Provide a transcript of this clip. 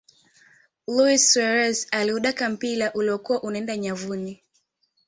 luis suarez aliudaka mpira uliyokuwa unaeenda nyavuni